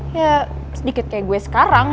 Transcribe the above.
ya sedikit kayak gue sekarang